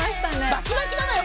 バキバキなのよ